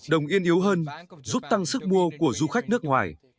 đồng yên yếu hơn giúp tăng sức mua của du khách nước ngoài